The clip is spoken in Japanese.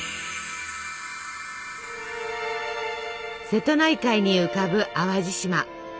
瀬戸内海に浮かぶ淡路島。